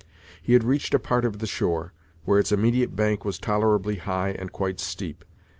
He had reached a part of the shore, where its immediate bank was tolerably high and quite steep.